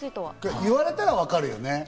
言われたらわかるよね。